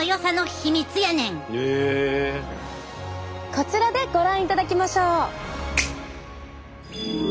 こちらでご覧いただきましょう。